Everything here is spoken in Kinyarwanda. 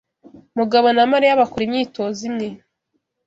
Mugabo na Mariya bakora imyitozo imwe.